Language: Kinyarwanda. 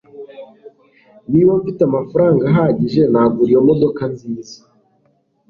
Niba mfite amafaranga ahagije nagura iyo modoka nziza